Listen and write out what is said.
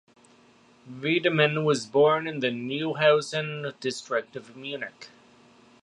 Wiedemann was born in the Neuhausen district of Munich.